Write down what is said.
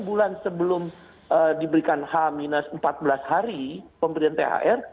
enam bulan sebelum diberikan h empat belas hari pemberian thr